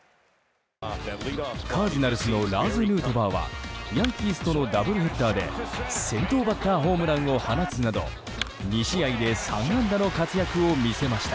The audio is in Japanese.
カージナルスのラーズ・ヌートバーはヤンキースとのダブルヘッダーで先頭バッターホームランを放つなど２試合で３安打の活躍を見せました。